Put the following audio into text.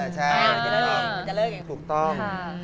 ใช่ถูกต้อง